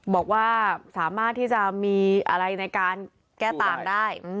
บอกว่าสามารถที่จะมีอะไรในการแก้ต่างได้